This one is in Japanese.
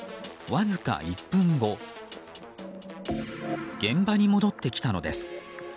わずか１分後現場に戻ってきたのです。